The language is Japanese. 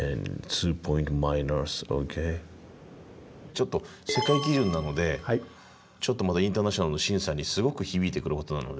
ちょっと世界基準なのでちょっとインターナショナルの審査にすごく響いてくることなので。